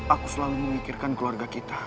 aku selalu memikirkan keluarga kita